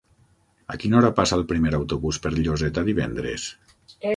A quina hora passa el primer autobús per Lloseta divendres?